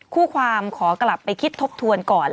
คู่ความขอกลับไปคิดทบทวนก่อน